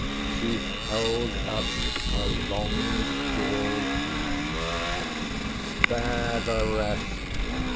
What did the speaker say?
She held up her long jewelled hand. ŌĆśSpare the rest!